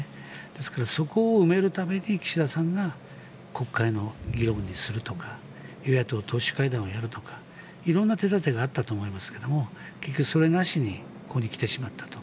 ですから、そこを埋めるために岸田さんが国会の議論にするとか与野党党首会談をするとか色んな手立てがあったと思いますが結局、それなしにここに来てしまったと。